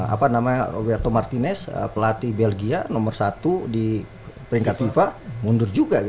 apa namanya roberto martinez pelatih belgia nomor satu di peringkat fifa mundur juga